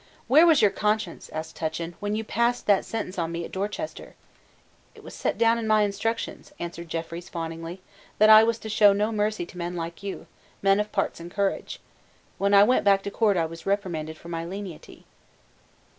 "Where was your conscience," said Tutchin, "when you passed that sentence on me at Dorchester?" "It was set down in my instructions," answered Jeffreys, fawningly, "that I was to show no mercy to men like you, men of parts and courage. When I went back to court I was reprimanded for my lenity."